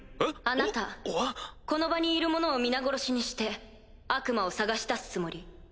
あなたこの場にいる者を皆殺しにして悪魔を探し出すつもり？